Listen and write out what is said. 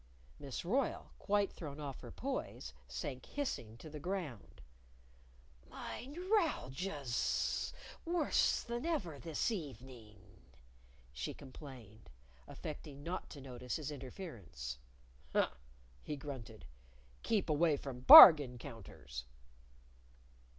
Miss Royle, quite thrown off her poise, sank hissing to the ground. "My neuralgia's worse than ever this evening," she complained, affecting not to notice his interference. "Huh!" he grunted. "Keep away from bargain counters."